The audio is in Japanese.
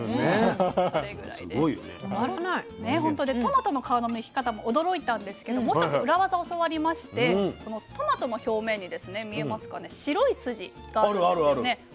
でトマトの皮のむき方も驚いたんですけどもう１つ裏技教わりましてこのトマトの表面にですね見えますかね白い筋があるんですよね。